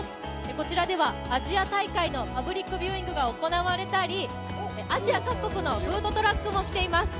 こちらではアジア大会のパブリックビューイングが行われたり、アジア各国のフードトラックも来ています。